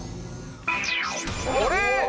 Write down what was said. あれ？